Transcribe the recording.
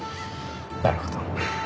なるほど。